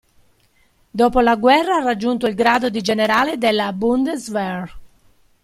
Dopo la guerra ha raggiunto il grado di generale della Bundeswehr.